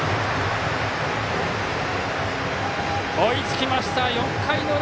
追いつきました、４回の裏！